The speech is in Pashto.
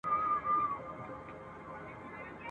زلمی چي تللی وم بوډا راځمه ..